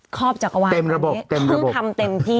รอบจักรวาลเพิ่งทำเต็มที่